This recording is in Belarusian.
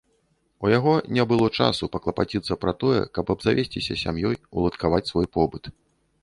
У яго не было часу паклапаціцца пра тое, каб абзавесціся сям'ёй, уладкаваць свой побыт.